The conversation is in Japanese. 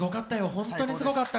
本当にすごかった。